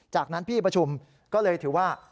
จากนั้นที่ประชุมก็เลยถือว่า